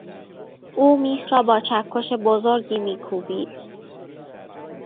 او میخ را با چکش بزرگی میکوبید.